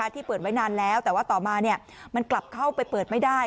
ที่เปิดไว้นานแล้วแต่ว่าต่อมามันกลับเข้าไปเปิดไม่ได้